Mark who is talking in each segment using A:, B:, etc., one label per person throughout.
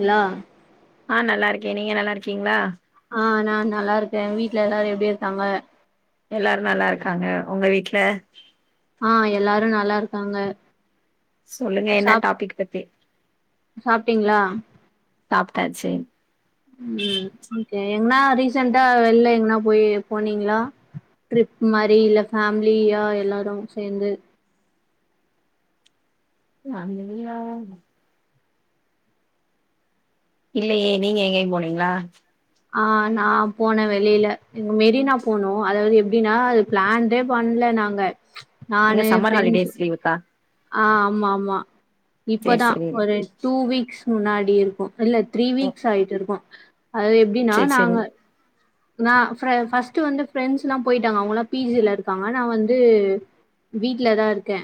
A: ல்லா
B: ஆ நல்லா இருக்கே நீங்க நல்லா இருக்கீங்களா
A: அ நா நல்லா இருக்கே வீட்டு்ல எல்லாரு எப்டி இருக்காங்க
B: எல்லாரு நல்லா இருக்காங்க உங்க வீட்டுல
A: ஆ எல்லாரு நல்லா இருக்காங்க
B: சொல்லுங்க என்ன
A: சாப்
B: டாபிக் பத்தி
A: சாப்ட்டீங்களா
B: சாப்ட்டாச்சு
A: ம் ஓகே எங்கனா ரீசென்டா வெளில எங்கனா போய் போனீங்களா ட்ரிப் மாரி இல்ல ஃபேமிலியா எல்லாரு சேந்து
B: அந்த இதுலயா இல்லயே நீங்க யெங்கேயு போனீங்களா
A: அ நா போனே வெளியில எனக் மெரினா போனோ அதாவது எப்டின்னா அது பிளான்டே பண்ணல நாங்க நானு ஃப்ரெண்ட்ஸ்
B: பிவரிக்கா
A: அ ஆமா ஆமா
B: சேரி
A: இப்பதா
B: சேரி
A: ஒரு டூ வீக்ஸ் முன்னாடி இருக்கு இல்ல த்ரீ
B: ஓ
A: வீக்ஸ் ஆயிட்டு இருக்கு அது எப்டின்னா
B: சேரி சேரி
A: நாங்க நா ஃப் ஃபர்ஸ்ட்டு வந்து ஃப்ரெண்ட்ஸ் எல்லா போயிட்டாங்க அவங்கலா பி ஜி ல இருக்காங்க நா வந்து வீட்ல தா இருக்கே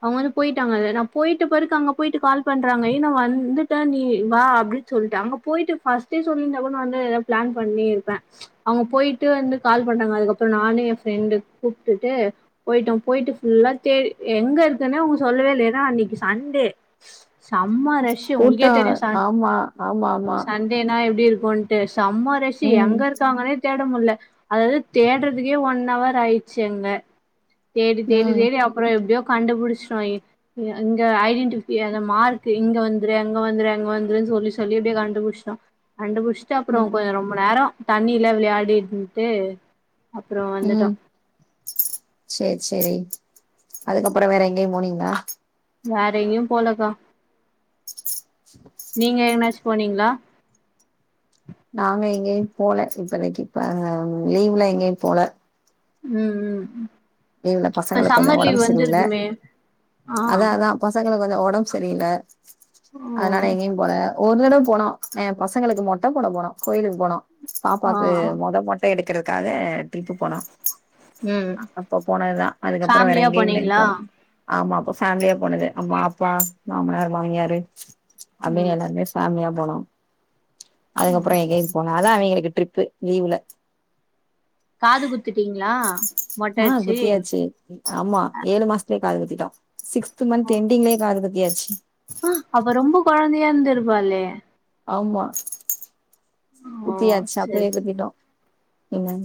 A: அவங்க வந்து போயிட்டாங்க நா போயிட்ட பிறகு அங்க போயிட்டு கால் பண்றாங்க ஏ நா வந்துட்ட நீ வா அப்டி சொல்ட்டு அங்க போய்ட்டு ஃபஸ்டே சொல்லிந்தா கூட நா வந்து எதா ப்ளன் பண்ணிருப்ப அவங்க போய்ட்டு வந்து கால் பண்னாங்க அதுக்கப்புறோ நானு எ ஃப்ரெண்டு கூப்ட்டுட்டு போய்ட்டோ போய்ட்டு ஃபுல்லா தே எங்க இருக்குன்னே அவங்க சொல்லவே இல்ல ஏனா அன்னைக்கு சண்டே சம்ம ரஷ்சு உங்களுக்கே
B: கூட்டோ
A: தெரியு ச
B: ஆமா ஆமா ஆமா
A: சண் டேனா எப்டி இருக்குன்ட்டு செம்ம ரஸ்ஸூ
B: ம்
A: எங்க இரு அவங்களே தேட முட்ல அதாது தேடுறதுக்கே ஒன் அவர் ஆயிச்சு அங்க தேடி தேடி
B: ம்
A: தேடி அப்பறோ எப்டியோ கண்டுபுடிச்சிடோ இங்க ஐடென்டிஃபி அந்த மார்க்கு இங்க வந்துரு அங்க வந்துரு அங்க வந்துருன் சொல்லி சொல்லி அப்படியே கண்டுபிடிச்சிட்டோ கண்டுபுடுச்சுட்டு அப்புறோ கொஞ்ச
B: ம்
A: ரொம்ப நேரோ தண்ணில விளையாடிட்டுந்துட்டு
B: ம் சேர் சேரி அதுக்கப்புறோ வேற எங்கயு போனீங்ளா
A: வேற எங்கயு போலக்கா நீங்க எங்கனாச்சு போனீங்ளா
B: நாங் எங்கயு போல இப்பதைக்கு இப்ப லீவ்ல எங்கயு போல
A: ம் ம்
B: லீவ்ல
A: இப்ப
B: பசங்களுக்கு கொஞ்சோ
A: சம்மர் லீவ்
B: ஒடம்பு சரில்ல
A: வந்துருக்குமே ஆ
B: அதா அதா பசங்களுக்கு கொஞ்சோ ஒடம்பு சரியில்ல
A: ஓ
B: அதனால எங்கயு போல ஒரு தடவ போனோ எ பசங்களுக்கு மொட்ட போட போனோ கோயிலுக்கு போனோ
A: ஆ
B: பாப்பாக்கு மொத மொட் ட எடுக்கிறதுக்காக ட்ரிப்பு போனோ
A: ம்
B: அப்ப போனதுதா அதுக்கப்பறோ வேற
A: ஃபேமிலியா
B: எங்கேயுமே
A: போனீங்களா
B: போல ஆமா அப்ப ஃபேமிலியா போனது அம்மா அப்பா மாமனார் மாமியாரு அப்டின்னு
A: ம்
B: எல்லாருமே ஃபேமிலியா போனோ
A: ம்
B: அதுக்கப்புறோ எங்கயு போல அதா அவிங்களுக்கு ட்ரிப்பு லீவுல
A: காது குத்துட்டிங்ளா
B: ஆ குத்தியாச்சி ஆமா ஏழு மாசத்துலே காது குத்திட்டோ சிக்ஸ்த் மந்த் எண்டிங்லே காது குத்தியாச்சி
A: ஆ அப்ப ரொம்ப கொழந்தையா இருந்திருபாலே
B: ஆமா
A: ஓ
B: குத்தியாச்சி
A: செரி
B: அப்பவே குத்திட்டோ என்ன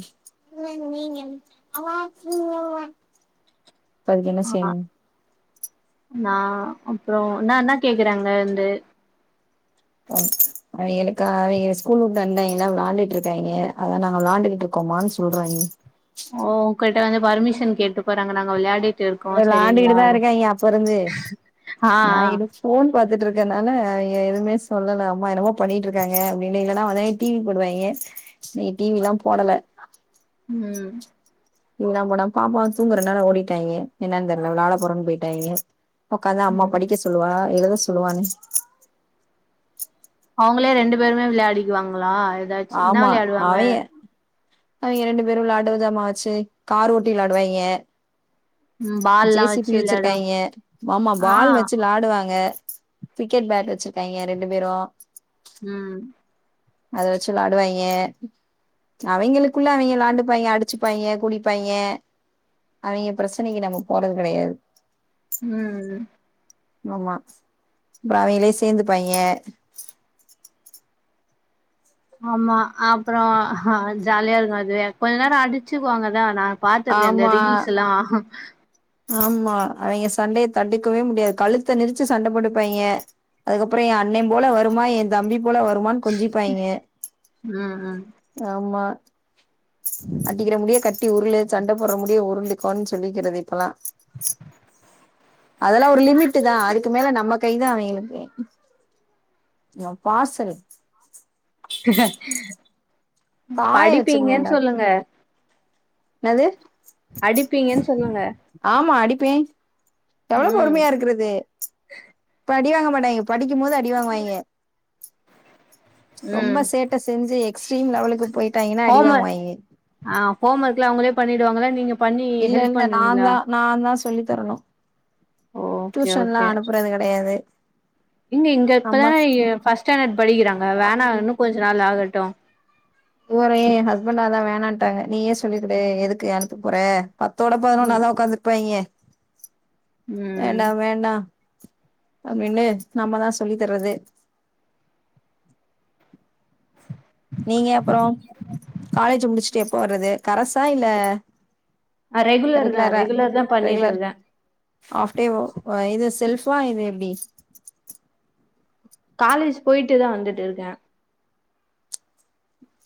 B: இப்ப அதுக்கு என்ன
A: ஆ
B: செய்யணு
A: நா அப்புறோ நா என்ன கேக்குறாங்க வந்து
B: ஓ அவைங்களுக்கு அவைங்க ஸ்கூல் விட்டு வந்திட்டாய்ங்களா விளாண்டுட்டு இருக்காய்ங்க அதா நாங்க விளாண்டுகிட்டு இருக்கோமானு சொல்றாங்க
A: ஓ ஒங்கட்ட வந்து பர்மிஷன் கேட்டு போறாங்க நாங்க விளையாடி
B: அது விளான்டுகிட்டு தா இருக்காய்ங்க அப்போ இருந்து
A: ஆ
B: நா
A: ஆ
B: எது ஃபோன் பாத்துட்டு இருக்கனால எதுமே சொல்லல அம்மா என்னமோ பண்ணிட்டு இருக்காங்க அப்டின்னு இல்லன்னா வந்து டி வி போடுவாய்ங்க இன்னிக்கு டி வி லா போடல
A: ம்
B: இவல்லா போனா பாப்பா தூங்குறனால ஓடிட்டாய்ங்க என்னான் தெர்ல விளாட போறன்னு போய்ட்டாய்ங்க உக்காந்தா அம்மா
A: ம்
B: படிக்க சொல்லுவா எழுத சொல்லுவான்னு
A: அவங்களே ரெண்டு பேருமே விளையாடிக்குவாங்களா ஏதாச்சு என்ன
B: ஆமா
A: விளையாடுவாங்க
B: அவிங்க அவிங்க ரெண்டு பேரு விளாடுவதமாச்சு கார் ஓட்டி விளாடுவாய்ங்க
A: ம் பால்லா
B: ஜே சி
A: வச்சு
B: பி
A: விளையாடுவாங்க
B: வச்சிருக்காய்ங்க மாமா
A: ஆ
B: பால் வச்சு விளாடுவாங்க கிரிக்கெட் பேட் வச்சிருக்காய்ங்க ரெண்டு பேரு
A: ம்
B: அத வச்சு விளையாடுவாய்ங்க அவிங்களுக்குள்ள அவிங்க விளாண்டுபாய்ங்க அடிச்சுப்பாய்ங்க கூடிப்பாய்ங்க அவிங்க பிரச்சனைக்கு நம்ம போறது கெடையாது
A: ம் ம்
B: ஆமா அப்புறம் அவிங்களே சேந்துப்பாய்ங்க
A: ஆமா அப்புறம் ஜாலியாருக்கும் அதுவே கொஞ்ச நேரம் அடிச்சுக்குவாங்கதா நா பாத்துருக்க அந்த
B: ஆமா
A: ரீல்ஸ்ல்லாம்
B: ஆமா அவைங்க சண்டைய தடுக்கவே முடியாது கழுத்த நெறுச்சி சண்டை போட்டுப்பாய்ங்க அதுக்கப்புறம் என் அண்ணன் போல வருமா என் தம்பி போல வருமான் கொஞ்சிப்பாய்ங்க
A: ம் ம்
B: ஆமா அடிக்கிற முடியே கட்டி உருளு சண்ட போடுற முடிய உருளு இப்போ சொல்லிக்கிறது இப்பெல்லா அதெல்லாம் ஒரு லிமிட்டு தா அதுக்கு மேல நம்ம கைதா அவிங்களுக்கு என் பார்சல் காய
A: படிப்பீங்கன்
B: வச்சிருந்தேன்டா
A: சொல்லுங்க
B: என்னது
A: அடிப்பீங்கன் சொல்லுங்க
B: ஆமா அடிப்பேன் எவ்வளோ
A: ம்
B: பொறுமையா இருக்குறது இப்ப அடிவாங்க மாட்டாங்க படிக்கும் போது அடிவாங்குவாய்ங்க
A: ம்
B: ரொம்ப சேட்ட செஞ்சி எக்ஸ்ட்ரீம் லெவலுக்கு போயிட்டாங்கன்னா
A: ஹோம்
B: அடிவாங்கு
A: ஒர்க்
B: வாய்ங்க
A: ஆ ஹோம் ஒர்க்லாம் அவுங்களே பண்ணிடுவாங்களா நீங்க பண்ணி ஹெல்ப் பண்ணுவீங்களா
B: நா தான் சொல்லி தரணும்
A: ஓகே
B: டியூஷன் எல்லாம்
A: ஓகே
B: அனுப்புறது கிடையாது
A: இங்க இங்க இப்பதான ஃபர்ஸ்ட் ஸ்டர்ண்டட் படிக்கிறாங்க வேணா
B: ஆமா
A: இன்னு கொஞ்ச நாள் ஆகட்டு
B: இவரே என் ஹஸ்பண்ட் அதா வேணான்ட்டாங்க நீ ஏன் சொல்லி கு டு எதுக்கு அனுப்ப போற பத்தோட
A: ம்
B: பதினொன்னாதா உட்காந்துப்பாங்க
A: ம்
B: வேண்டா வேண்டா அப்டின்னு நம்மதா சொல்லி தர்றது நீங்க அப்புறம் காலேஜ் முடிச்சுட்டு எப்போ வர்றது கரசா இல்ல
A: ஆ ரெகுலர் தா
B: ரெகுலரா
A: ரெகுலர் தா பண்ணிட்டு
B: ரெகுலர்
A: இருந்த
B: ஆஃப் டே இது செல்பா இது எப்படி
A: காலேஜ் போயிட்டு தா வந்துட்டு இருக்கேன்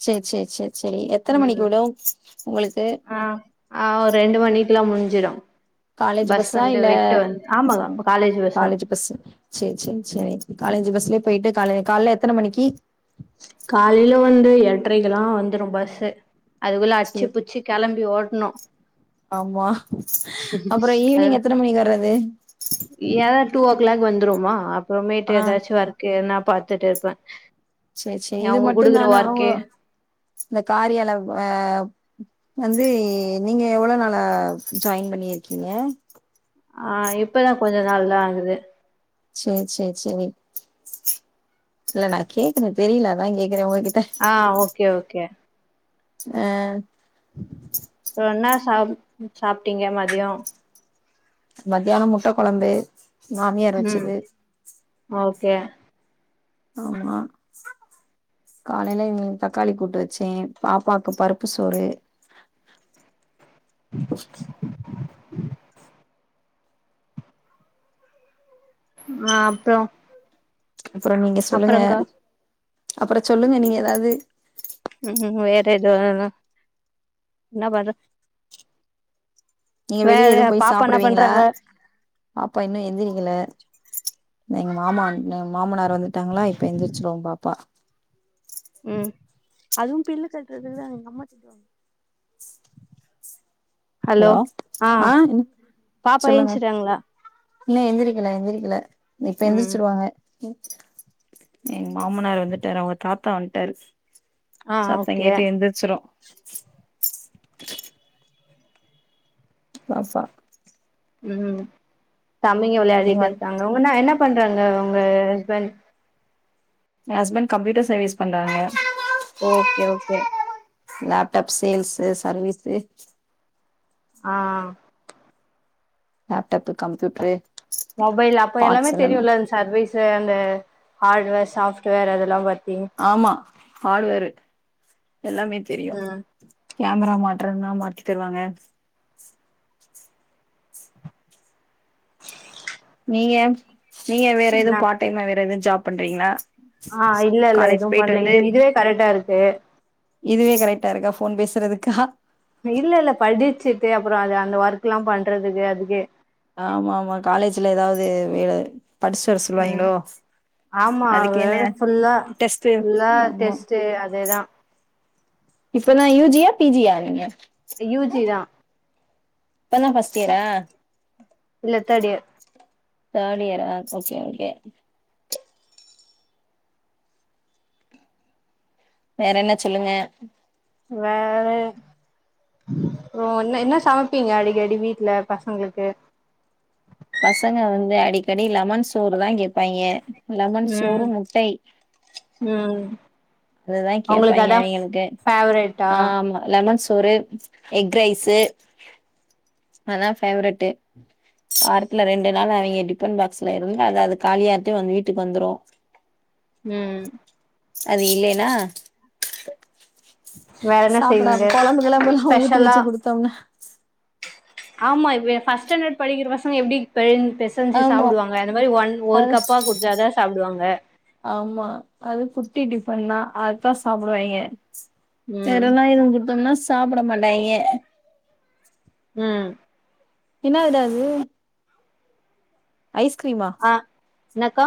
B: சேரி சேரி சேரி சேரி எத்தன
A: ம்
B: மணிக்கு
A: ம்
B: உடும் உங்களுக்கு
A: ஆ ஆ ஒரு ரெண்டு மணிக்குலா முடிஞ்சிரும்
B: காலேஜ்
A: பஸ்
B: பஸ்ஸா
A: வந்து
B: இல்ல
A: விட்டு வந்து ஆமாங்க அப்ப காலேஜ் பஸ் தா
B: பஸ்ஸு சேரி சேரி சேரி காலேஜ் பஸ்லயே போயிட்டு காலே கால்ல எத்தன மணிக்கி
A: காலையில வந்து எட்ரைக்குலாம் வந்துடும் பஸ்ஸு அதுக்குள்ள அடிச்சு
B: சேரி
A: புடிச்சி கெளம்பி ஓடணும்
B: ஆமா அப்புறம்
A: அது
B: ஈவினிங் எத்தன மணிக்கு வர்றது
A: ஏதா டூ ஓ க்ளாக் வந்துருவோமா அப்பமேட்டு
B: ஆ
A: ஏதாச்சு ஒர்க்கு எதுன்னா பாத்துட்டு இருப்ப
B: சேரி சேரி இது மட்டும் தானா ஓ இந்த காரியால வ் ஆ வந்து நீங்க எவ்ளோ நாளா ஜாயின் பண்ணிருக்கீங்க
A: ஆ இப்பதா கொஞ்சம் நாள் தா ஆகுது
B: சேரி சேரி சேரி இல்ல நா கேக்குறேன் தெரியல அதான் கேக்குறேன் உங்ககிட்ட
A: ஆ ஓகே ஓகே
B: அ
A: வேற என்னா சா சாப்ட்டீங்க மதியம்
B: மத்தியான முட்டக் கொழம்பு மாமியார்
A: ம்
B: வச்சது
A: ஓகே
B: ஆமா காலையில இங்க தக்காளி கூட்டு வச்சே பாப்பாக்கு பருப்பு சோறு
A: [unintelligible] ஆ அப்றோ
B: அப்புற நீங்க சொல்லுங்க அப்புற சொல்லுங்க நீங்க ஏதாது
A: ம் வேற எதுவு இல்லன்னா என்ன பண்ற
B: நீங்க
A: வேற
B: வெளிய எதுவும் போய்
A: பாப்பா என்ன
B: சாப்பிடுவீங்களா
A: பண்றாக
B: பாப்பா இன்னு எந்திரிக்கல இந்த எங்க மாமா வந் து எங்க மாமனார் வந்துட்டாங்களா இப்ப எழுந்திச்சிரு பாப்பா
A: ம் அதுவும் பில்லு கட்டுறதுதா எங்க அம்மா
B: ஹலோ ஆ என்ன
A: பாப்பா
B: சொல்லுங்க
A: ஏஞ்சுட்டாங்களா
B: இல்ல எந்திரிக்கல எந்திரிக்கல இப்ப
A: ம்
B: எந்திரிச்சிருவாங்க எங்க மாமனார் வந்துட்டாரு அவுங்க தாத்தா வந்துட்டாரு
A: ஆ
B: சத்த
A: ஓகே
B: கேட்டு எந்திரிச்சிரு பாப்பா
A: ம் தம்பிங்க
B: நீங்க வந்
A: விளையாடிட்ருக்காங்க உங்கன்னா என்ன பண்றாங்க உங்க ஹஸ்பண்ட்
B: ஏ ஹஸ்பண்ட் கம்ப்யூட்டர் சர்வீஸ் பண்றாங்க
A: okay okay
B: laptop sales service
A: ஆ
B: லேப்டாப்பு கம்ப்யூட்டரு
A: மொபைல் அப்போ எல்லாமே தெரியும்ல அந்த சர்வீஸு அந்த ஹார்ட்வேர் சாஃப்ட்வேர் அதெல்லா பாத்திங்க
B: ஆமா ஹார்ட்வேரு எல்லாமே தெரியு
A: ம்
B: கேமரா மாட்றன்னா மாட்டி தருவாங்க நீங்க நீங்க வேற
A: நா
B: எதுவு பார்ட் டைம்மா வேற எதுவு ஜாப் பண்றீங்களா
A: ஆ இல்லல்ல
B: காலேஜ்
A: எதுவு
B: போயிட்டு
A: பண்ல
B: வந்து
A: இது இதுவே கரெக்ட்டா இருக்கு
B: இதுவே கரெக்டா இருக்கா ஃபோன் பேசுறதுக்கா
A: இல்லல்ல படிச்சுட்டு அப்புற அந்த அந்த ஒர்க் எல்லா பண்றதுக்கு அதுக்கே
B: ஆமா ஆமா காலேஜ்ல ஏதாவது வேல படிச்சுட்டு வர
A: ம்
B: சொல்லுவாய்ங்களோ
A: ஆமா
B: அதுக்கு என்ன
A: வேற ஃபுல்லா
B: டெஸ்ட்டு
A: ஃபுல்லா
B: ஆமா
A: டெஸ்ட்டு அதேதா
B: இப்பன்ன யூ ஜியா பி ஜியா நீங்க
A: யூ ஜி தா
B: இப்பதா ஃபர்ஸ்ட் இயரா
A: இல்ல தேர்ட் இயர்
B: தேர்ட் இயரா ஓகே ஓகே வேறென்ன சொல்லுங்க
A: வேற ஓ என்ன என்ன சமப்பீங்க அடிக்கடி வீட்ல பசங்களுக்கு
B: பசங்க வந்து அடிக்கடி லெமன் சோறு தா கேப்பாய்ங்க லெமன் சோறு
A: ம்
B: முட்டை
A: ம்
B: அதுதா
A: அவங்களுக்கு
B: கேப்பாய்ங்க
A: அதா
B: அவிங்களுக்கு
A: ஃபேவரேட்டா
B: ஆமா லெமன் சோறு எக் ரைஸ்ஸு அதா ஃபேவரெட்டு வாரத்துல ரெண்டு நாள் அவிங்க டிபன் பாக்ஸ்ல இருந்தா அது அது காலியாட்டு வந்து வீட்டுக்கு வந்துரு
A: ம்
B: அது இல்லேன்னா
A: வேற என்ன செய்வீங்க
B: சாப்டாம கொழம்பு கிழம்புல்லா ஊத்தி
A: ஸ்பெஷலா
B: வச்சு குடுத்தோம்னா
A: ஆமா இவ் ஃபஸ்ட் ஸ்டாண்டர்ட் படிக்கிற பசங்க எப்டி பெனைந்து பெச சஞ்சு
B: ஆமா
A: சாப்டுவாங்க இந்த மாரி ஒன் ஒரு
B: அது
A: கப்பா குடுத்தாதா சாப்டுவாங்க
B: ஆமா அது குட்டி டிஃபன்தா அதுதா சாப்புடுவாய்ங்க
A: ம்
B: வேறல்லா எதும் குடுத்தம்னா சாப்டமாட்டாய்ங்க
A: ம்
B: என்ன விடாது ஐஸ்க்ரீமா
A: ஆ என்னாக்கா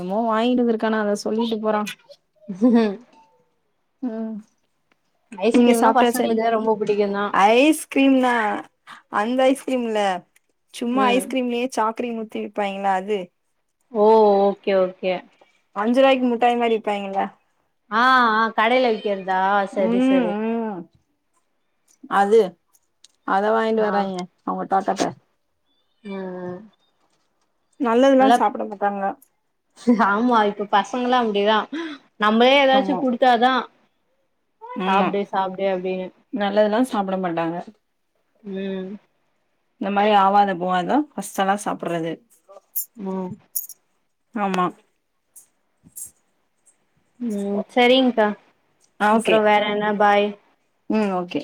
B: என்னமோ வாங்கிட்டு வந்துருக்கானா அத சொல்லிட்டு போறா
A: ஹம்ஹம்
B: ம், நீங்க
A: ஐஸ்கிரீம்னா
B: சாப்ட்டா சரி
A: பசங்களுக்குதா ரொம்ப புடிக்குந்தா
B: ஐஸ் க்ரீம்னா அந்த ஐஸ்க்ரீம் இல்ல சும்மா
A: ம்
B: ஐஸ்க்ரீம்லே சாக்ரீம் ஊத்தி விப்பாங்கில அது
A: ஓ ஓகே ஓகே
B: அஞ்சு ரூபாய்க்கு முட்டாய் மாரி விப்பாங்களா
A: ஆ ஆ கடையில விக்கிறதா சரி
B: ம்
A: சரி
B: ம் அது அத வாங்கிட்டு
A: ஆ
B: வராங்க அவங்க தாத்தாட்ட
A: ம், ம்
B: நல்லதுல்லா
A: நல்லா
B: சாப்ட மாட்டாங்க
A: ஆமா இப்ப பசங்கல்லா அப்டிதா நம்மளே ஏதாச்சு
B: ஆமா
A: குடு த்தாதா சாப்டு சாப்டு அப்டின்னு
B: நல்லதுல்லா சாப்ட மாட்டாங்க
A: ம்
B: இந்த மாரி ஆவாத போவாதுதா ஃபர்ஸ்ட் ஆளா சாப்புட்றது
A: ம்
B: ஆமா
A: ம் சரிங்க்கா
B: ஆ ஓகே
A: அப்பறோ வேற என்ன, பாய்
B: ம், ஓகே